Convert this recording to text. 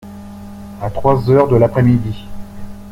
À trois heures de l’après-midi.